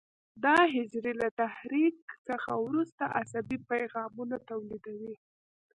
دا حجرې له تحریک څخه وروسته عصبي پیغامونه تولیدوي.